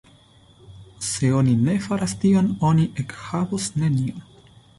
Se oni ne faras tion, oni ekhavos nenion.